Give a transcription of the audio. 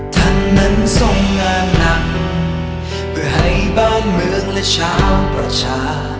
ท่านนั้นทรงงานหนักเพื่อให้บ้านเมืองและชาวประชา